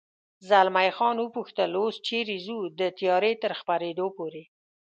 زلمی خان و پوښتل: اوس چېرې ځو؟ د تیارې تر خپرېدو پورې.